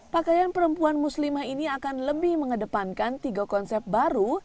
pakaian perempuan muslimah ini akan lebih mengedepankan tiga konsep baru